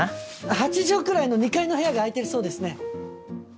８畳くらいの２階の部屋が空いてるそうですね。